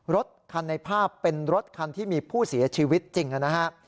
รถคันในภาพเป็นรถคันที่มีผู้เสียชีวิตจริงนะฮะ